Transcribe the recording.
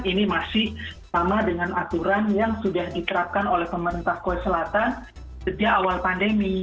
ini masih sama dengan aturan yang sudah diterapkan oleh pemerintah korea selatan sejak awal pandemi